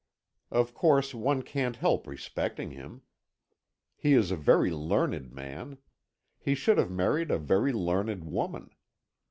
Of course one can't help respecting him. He is a very learned man. He should have married a very learned woman.